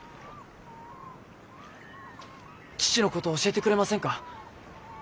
父のことを教えてくれませんか？